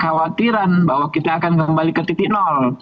kekhawatiran bahwa kita akan kembali ke titik nol